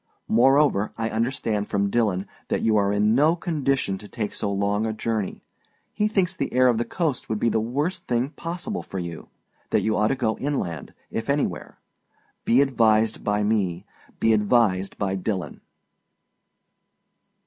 Moreover, I understand from Dillon that you are in no condition to take so long a journey. He thinks the air of the coast would be the worst thing possible for you; that you ought to go inland, if anywhere. Be advised by me. Be advised by Dillon.